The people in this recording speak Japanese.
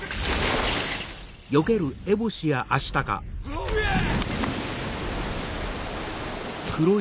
うわっ！